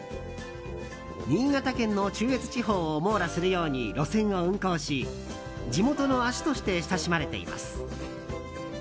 新潟県の中越地方を網羅するように路線を運行し地元の足として親しまれています。